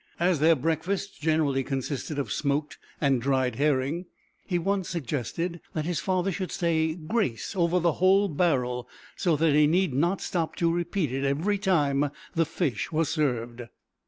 As their breakfasts generally consisted of smoked and dried herring, he once suggested that his father should say grace over the whole barrel, so that he need not stop to repeat it every time the fish was served!